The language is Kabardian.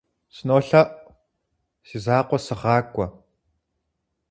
СынолъэӀу, си закъуэ сыгъакӀуэ.